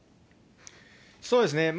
そうですね。